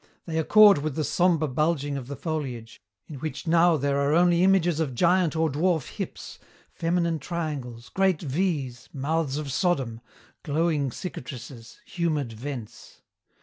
They accord with the sombre bulging of the foliage, in which now there are only images of giant or dwarf hips, feminine triangles, great V's, mouths of Sodom, glowing cicatrices, humid vents.